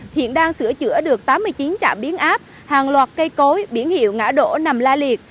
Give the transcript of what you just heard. hiện đang sửa chữa được tám mươi chín trạm biến áp hàng loạt cây cối biển hiệu ngã đổ nằm la liệt